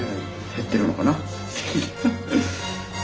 減ってるのかな？